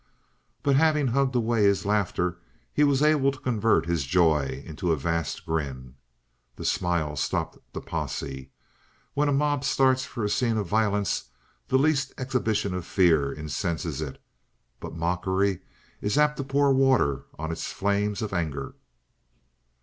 But having hugged away his laughter he was able to convert his joy into a vast grin. That smile stopped the posse. When a mob starts for a scene of violence the least exhibition of fear incenses it, but mockery is apt to pour water on its flames of anger.